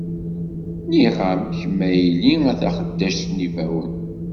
Nniɣ-am, kemm a yelli, a taxeddact n yibawen.